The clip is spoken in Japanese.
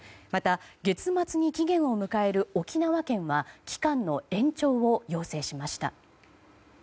また、月末に期限を迎える沖縄県は期間の延長を要請しました。